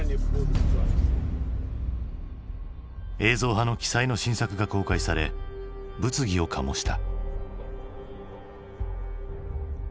映像派の鬼才の新作が公開され物議を醸した。